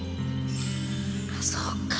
あそうか。